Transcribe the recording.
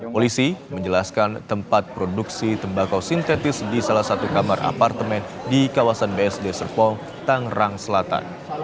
polisi menjelaskan tempat produksi tembakau sintetis di salah satu kamar apartemen di kawasan bsd serpong tangerang selatan